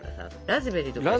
ラズベリーとか。